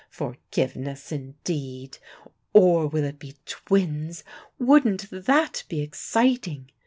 "Forgiveness, indeed! Or will it be twins? Wouldn't that be exciting?